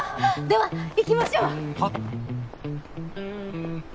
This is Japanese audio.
では行きましょう！はっ？